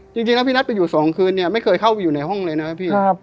จริงแล้วพี่นัทไปอยู่๒คืนเนี่ยไม่เคยเข้าไปอยู่ในห้องเลยนะพี่